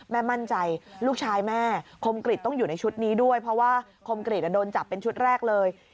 แม่มั่นใจลูกชายแม่คมกริจต้องอยู่ในชุดนี้ด้วยเพราะว่าคมกริจโดนจับเป็นชุดแรกเลย